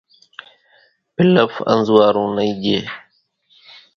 ڀلڦ انزوئارون نئي ڄي